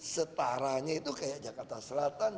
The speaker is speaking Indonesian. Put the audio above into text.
setaranya itu kayak jakarta selatan